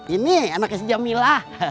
ini anaknya jamilah